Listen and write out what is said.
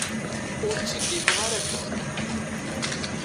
Ur ttiddimeɣ ara akka.